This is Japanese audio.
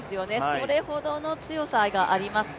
それほどの強さがあります。